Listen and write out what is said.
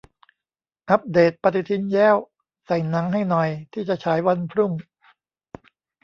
อัปเดตปฏิทินแย้ว ! ใส่หนังให้หน่อย ที่จะฉายวันพรุ่ง